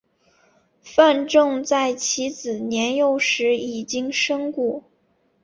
范正在其子年幼时已经身故。